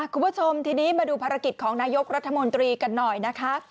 คุณผู้ชมทีนี้มาดูภารกิจของนายกรัฐมนตรีกันหน่อยนะคะ